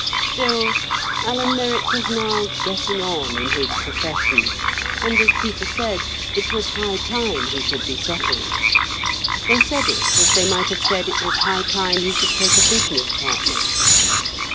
Still, Alan Merrick was now "getting on in his profession," and, as people said, it was high time he should be settled. They said it as they might have said it was high time he should take a business partner.